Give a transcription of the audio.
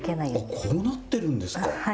こうなってるんですか。